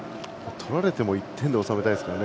取られても１点で抑えたいですね